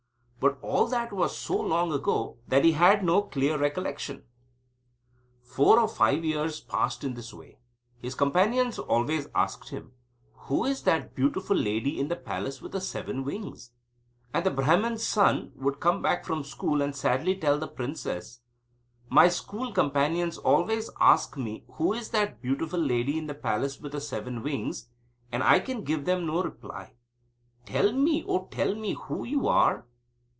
But all that was so long ago, that he had no clear recollection. Four or five years passed in this way. His companions always asked him: "Who is that beautiful lady in the palace with the seven wings?" And the Brahman's son would come back from school and sadly tell the princess: "My school companions always ask me who is that beautiful lady in the palace with the seven wings, and I can give them no reply. Tell me, oh, tell me, who you are!"